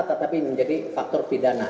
tetapi menjadi faktor pidana